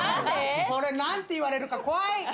これなんて言われるか怖い。